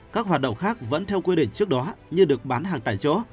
các hoạt động khác vẫn theo quy định trước đó như được bán hàng tại chỗ